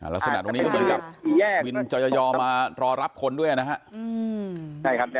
ลักษณะตรงนี้ก็เหมือนกับวินจอยอมารอรับคนด้วยนะครับ